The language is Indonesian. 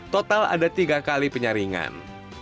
total ada tiga kali penyaringan